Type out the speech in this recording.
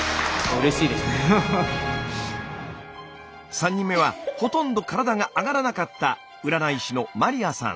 ３人目はほとんど体が上がらなかった占い師のマリアさん。